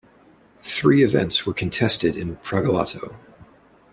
Three events were contested in Pragelato.